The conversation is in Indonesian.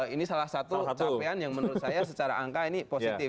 ini salah satu capaian yang menurut saya secara angka ini positif